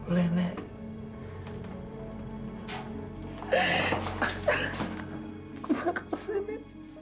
gue bakal sini